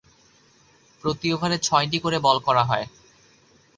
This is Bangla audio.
প্রতি ওভারে ছয়টি করে বল করা হয়।